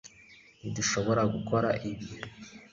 ntidushobora gukora ibi